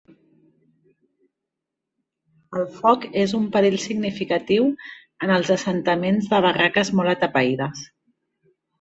El foc és un perill significatiu en els assentaments de barraques molt atapeïdes.